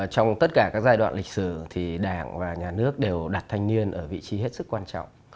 trong tất cả các giai đoạn lịch sử thì đảng và nhà nước đều đặt thanh niên ở vị trí hết sức quan trọng